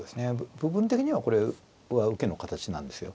部分的にはこれは受けの形なんですよ。